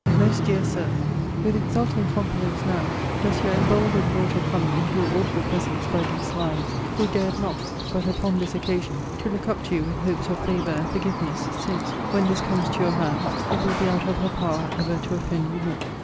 MOST DEAR SIR, With exulting confidence now does your emboldened daughter come into your awful presence by these lines, who dared not, but upon this occasion, to look up to you with hopes of favour and forgiveness; since, when this comes to your hands, it will be out of her power ever to offend you more.